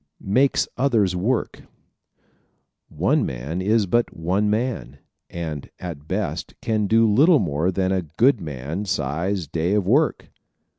Makes Others Work ¶ One man is but one man and at best can do little more than a good man size day of work.